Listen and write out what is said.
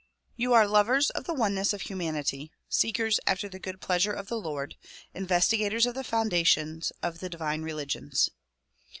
You are lovers of the oneness of humanity, seekers after the good pleasure of the Lord, investigators of the foundations of the divine religions.